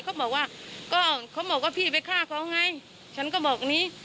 เขาบอกว่าพี่ไปฆ่าเขาไงฉันก็บอกนี้